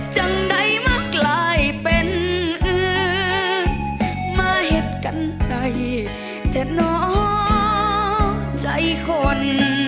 จังใดมากลายเป็นอือมาเห็นกันในแต่น้อยใจคน